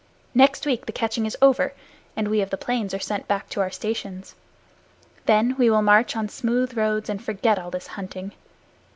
Next week the catching is over, and we of the plains are sent back to our stations. Then we will march on smooth roads, and forget all this hunting.